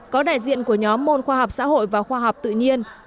có đại diện của nhóm môn khoa học xã hội và khoa học tự nhiên